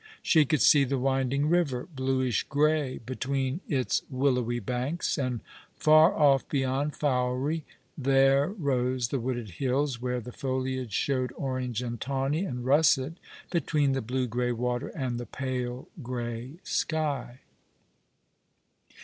She 'could see the winding river, bluish grey, between its willowy banks, and far off beyond Fowey there rose the wooded hills, where the foliage showed orange and tawny and russet between the blue grey water and the pale grey sky.